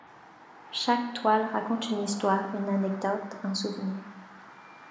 Chaque toile raconte une histoire, une anecdote, un souvenir.